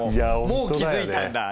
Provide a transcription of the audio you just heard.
もう気付いたんだ。